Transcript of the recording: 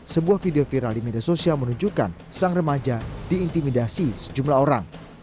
sebuah video viral di media sosial menunjukkan sang remaja diintimidasi sejumlah orang